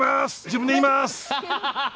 自分で言います。